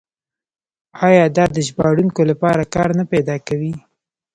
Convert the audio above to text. آیا دا د ژباړونکو لپاره کار نه پیدا کوي؟